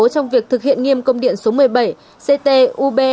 trong việc thực hiện nghiêm công điện số một mươi bảy ctub